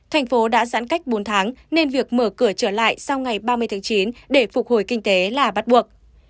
thành phố đã giãn cách bốn tháng nên việc mở cửa trở lại sau ngày ba mươi tháng chín để phục hồi kinh tế là bắt buộc